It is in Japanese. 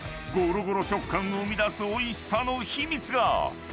［ゴロゴロ食感を生み出すおいしさの秘密が］